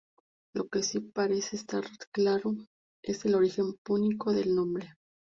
Lo que sí parece estar claro es el origen púnico del nombre.